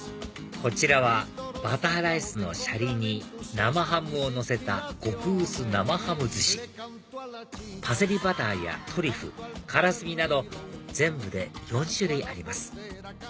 こちらはバターライスのしゃりに生ハムをのせた極薄生ハム寿司パセリバターやトリュフカラスミなど全部で４種類あります